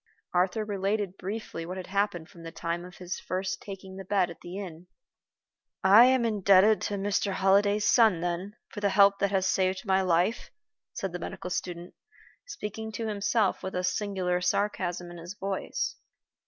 Arthur related briefly what had happened from the time of his first taking the bed at the inn. "I am indebted to Mr. Holliday's son, then, for the help that has saved my life," said the medical student, speaking to himself, with a singular sarcasm in his voice.